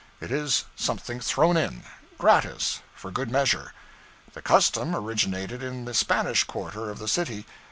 It is something thrown in, gratis, for good measure. The custom originated in the Spanish quarter of the city.